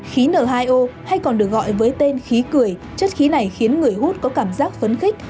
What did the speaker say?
khí n hai o hay còn được gọi với tên khí cười chất khí này khiến người hút có cảm giác phấn khích